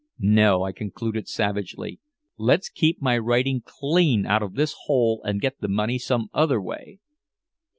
No," I concluded savagely. "Let's keep my writing clean out of this hole and get the money some other way!"